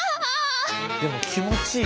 でも気持ちいい。